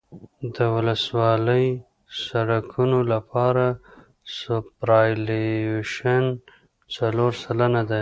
د ولسوالي سرکونو لپاره سوپرایلیویشن څلور سلنه دی